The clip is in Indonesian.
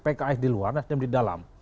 pks di luar nasdem di dalam